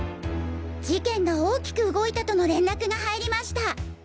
「事件が大きく動いたとの連絡が入りました。